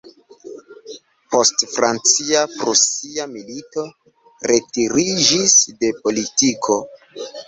Post Francia-Prusia Milito retiriĝis de politiko.